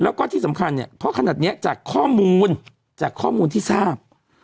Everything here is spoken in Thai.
แล้วก็ที่สำคัญเนี่ยเพราะขนาดนี้จากข้อมูลจากข้อมูลที่ทราบ